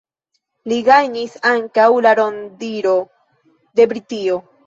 Li gajnis ankaŭ la rondiro de Britio.